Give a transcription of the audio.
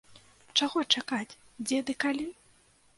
Чаго чакаць, дзе ды калі?